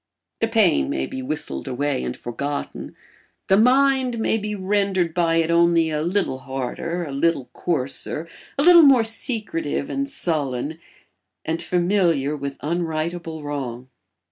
The pain may be whistled away and forgotten; the mind may be rendered by it only a little harder, a little coarser, a little more secretive and sullen and familiar with unrightable wrong.